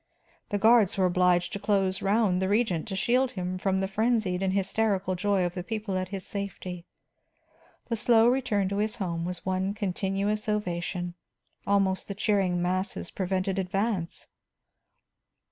The guards were obliged to close around the Regent to shield him from the frenzied and hysterical joy of the people at his safety. The slow return to his home was one continuous ovation, almost the cheering masses prevented advance.